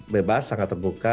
bebas sangat terbuka